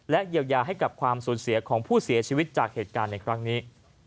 เยียวยาให้กับความสูญเสียของผู้เสียชีวิตจากเหตุการณ์ในครั้งนี้